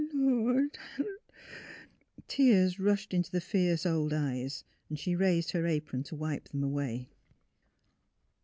... Lord! Lord! " Tears rushed into the fierce old eyes ; she raised her apron to wipe them away.